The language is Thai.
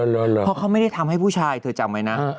เพราะเขาไม่ได้ทำให้ผู้ชายเธอจำไว้นะ